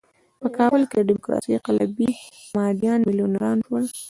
په کابل کې د ډیموکراسۍ قلابي مدعیان میلیونران شول.